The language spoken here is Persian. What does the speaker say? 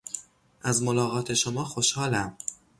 از ملاقات شما خوشحالم.